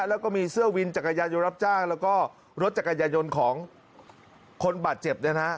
แล้วก็มีเสื้อวินจักรยานยนต์รับจ้างแล้วก็รถจักรยายนต์ของคนบาดเจ็บเนี่ยนะ